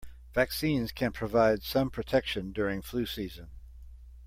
Vaccines can provide some protection during flu season.